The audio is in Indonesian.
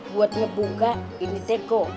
buat ngebuka ini teko